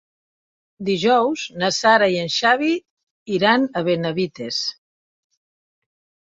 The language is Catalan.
Dijous na Sara i en Xavi iran a Benavites.